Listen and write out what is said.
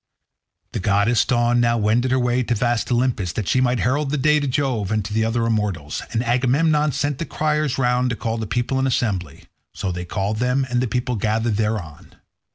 The goddess Dawn now wended her way to vast Olympus that she might herald day to Jove and to the other immortals, and Agamemnon sent the criers round to call the people in assembly; so they called them and the people gathered thereon.